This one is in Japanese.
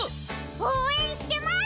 おうえんしてます！